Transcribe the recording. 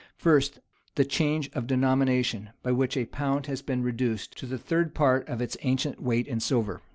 First, the change of denomination, by which a pound has been reduced to the third part of its ancient weight in silver.